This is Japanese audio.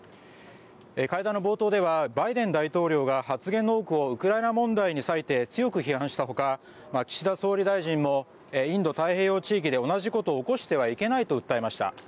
会談の冒頭ではバイデン大統領が発言の多くをウクライナ問題に割いて強く批判したほか岸田総理大臣もインド太平洋で同じことを起こしてはいけないと訴えました。